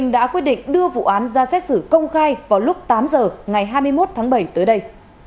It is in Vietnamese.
đã quyết định đưa vụ án ra xét xử công khai vào lúc tám giờ ngày hai mươi một tháng bảy tới đây